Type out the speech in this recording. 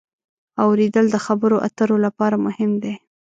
اورېدل د خبرو اترو لپاره مهم دی.